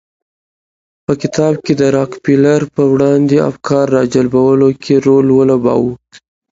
په کتاب کې د راکفیلر پر وړاندې افکار راجلبولو کې رول ولوباوه.